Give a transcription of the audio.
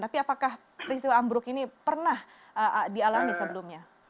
tapi apakah peristiwa ambruk ini pernah dialami sebelumnya